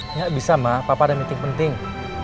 engga bisa ma papa ada meeting penting